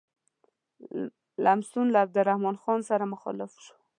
لمسون له عبدالرحمن خان سره مخالف شو.